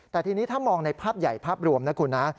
แต่ทีนี้ถ้ามองในภาพใหญ่ภาพรวมนะคุณนะ